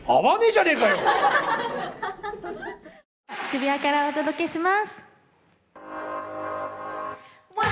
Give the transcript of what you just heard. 渋谷からお届けします。